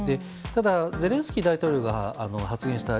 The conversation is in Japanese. ただゼレンスキー大統領が発言した